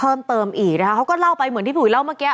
เพิ่มเติมอีกนะคะเขาก็เล่าไปเหมือนที่พี่อุ๋ยเล่าเมื่อกี้